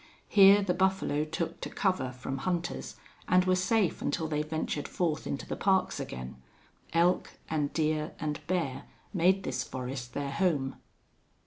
Here the buffalo took to cover from hunters, and were safe until they ventured forth into the parks again. Elk and deer and bear made this forest their home.